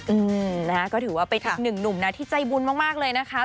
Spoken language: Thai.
อืมนะคะก็ถือว่าเป็นอีกหนึ่งหนุ่มนะที่ใจบุญมากมากเลยนะคะ